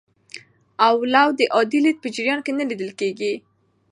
اولو د عادي لید په جریان کې نه لیدل کېږي.